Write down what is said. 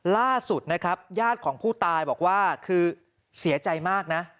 ล่าสุดนะครับญาติของผู้ตายบอกว่าคือเสียใจมากนะ